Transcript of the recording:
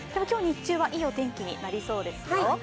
今日日中はいいお天気になりそうですよ。